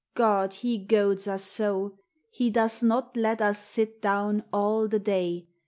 God ! lie goads us so. He does not let us sit down all the day.